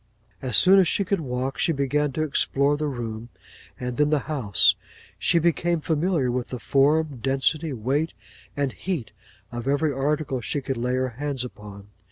As soon as she could walk, she began to explore the room, and then the house; she became familiar with the form, density, weight, and heat, of every article she could lay her hands upon.